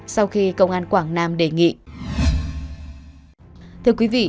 sau khi công an quảng nam đề nghị